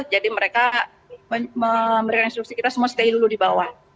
jadi mereka instruksi kita semua stay dulu di bawah